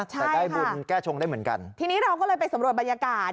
แต่ได้บุญแก้ชงได้เหมือนกันทีนี้เราก็เลยไปสำรวจบรรยากาศ